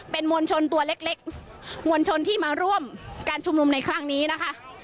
เป็นมวลชนตัวเล็กมวลชนที่มาร่วมการชุมนุมในครั้งนี้นะคะ